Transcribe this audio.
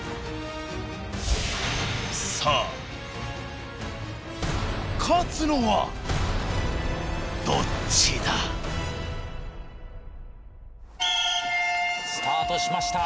さあ勝つのはどっちだ！？スタートしました。